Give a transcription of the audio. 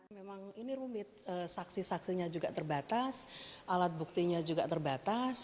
memang ini rumit saksi saksinya juga terbatas alat buktinya juga terbatas